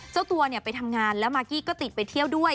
เจ้าตัวเนี่ยไปทำงานแล้วมากกี้ก็ติดไปเที่ยวด้วย